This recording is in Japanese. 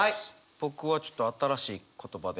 僕はちょっと新しい言葉で。